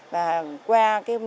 và qua các cơ sở